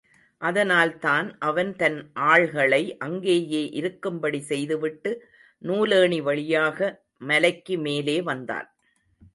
அதனால் தான் அவன் தன் ஆள்களை அங்கேயே இருக்கும்படி செய்துவிட்டு, நூலேணி வழியாக மலைக்கு மேலே வந்தான்.